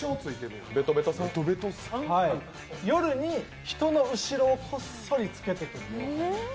夜に人の後ろをこっそりつけてくる。